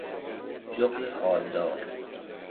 جغد خالدار